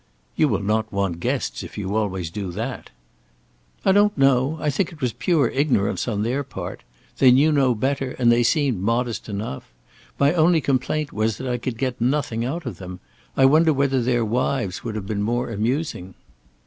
"You will not want guests if you always do that." "I don't know. I think it was pure ignorance on their part. They knew no better, and they seemed modest enough. My only complaint was that I could get nothing out of them. I wonder whether their wives would have been more amusing."